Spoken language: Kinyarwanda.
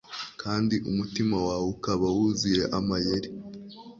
kandi umutima wawe ukaba wuzuye amayeri